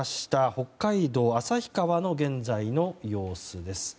北海道旭川の現在の様子です。